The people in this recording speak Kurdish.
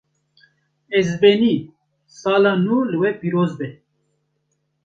Ezbenî! Sala nû li we pîroz be